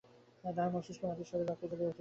তাহার মস্তিষ্ক মাতিয়া শরীরের রক্ত জ্বলিয়া উঠিল।